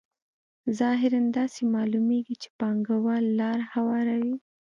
ظاهراً داسې معلومېږي چې پانګوال لار هواروي